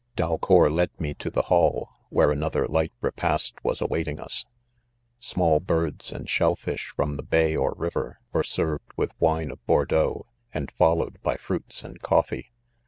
D&leour led me to the hail, where an other Ught jepafit wjis awaiting us, $mall b£?ds. a&d shell fish fxom the bay or THE. STRANGER. 33 liver, were served with wine of Bordeaux, and followed by fruits and coffee.